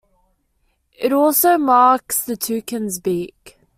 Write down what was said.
It also marks the toucan's beak.